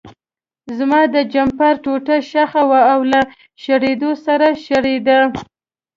زما د جمپر ټوټه شخه وه او له شورېدو سره شریده.